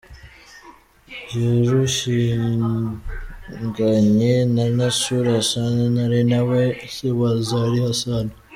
Yarushinganye na Nasur Hassan ari na we se wa Zari Hassan.